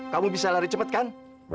kamu bisa lari cepat kan